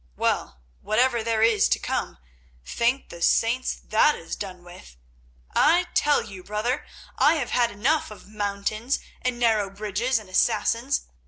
Well, whatever there is to come, thank the Saints, that is done with. I tell you, brother, I have had enough of mountains, and narrow bridges, and Assassins.